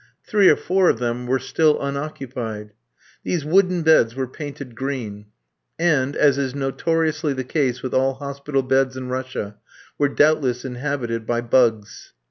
Three or four of them were still unoccupied. These wooden beds were painted green, and, as is notoriously the case with all hospital beds in Russia, were doubtless inhabited by bugs.